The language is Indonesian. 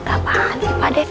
apaan sih pade